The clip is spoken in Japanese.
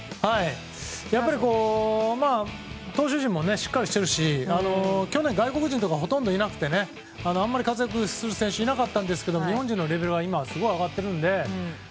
やっぱり投手陣もしっかりしているし去年、外国人とかほとんどいなくてあんまり活躍する選手いなかったんですけれども日本人のレベルがすごい上がっているので。